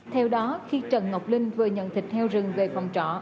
theo đó khi trần ngọc linh vừa nhận thịt heo rừng về phòng trọ